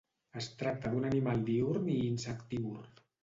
Es tracta d'un animal diürn i insectívor.